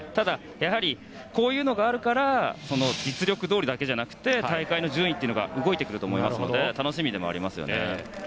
こういうのがあるから実力どおりだけじゃなくて大会の順位というのは動いてくると思うので楽しみでもありますよね。